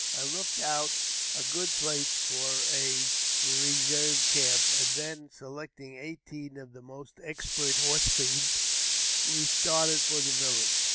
I looked out a good place for a reserve camp, and then, selecting eighteen of the most expert horse thieves, we started for the village.